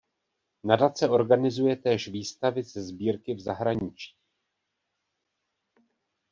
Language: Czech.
Nadace organizuje též výstavy ze sbírky v zahraničí.